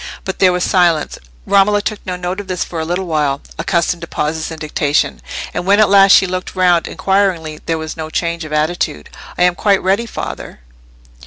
But there was silence. Romola took no note of this for a little while, accustomed to pauses in dictation; and when at last she looked round inquiringly, there was no change of attitude. "I am quite ready, father!"